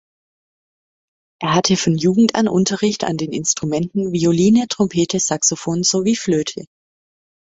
Er hatte von Jugend an Unterricht an den Instrumenten Violine, Trompete, Saxophon sowie Flöte.